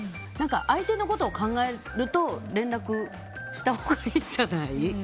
相手のことを考えると連絡したほうがいいんじゃない？